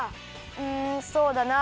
うんそうだな。